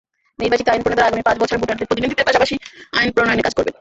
নির্বাচিত আইনপ্রণেতারা আগামী পাঁচ বছর ভোটারদের প্রতিনিধিত্বের পাশাপাশি আইন প্রণয়নে কাজ করবেন।